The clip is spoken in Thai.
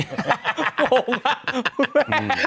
หัวงอ่ะ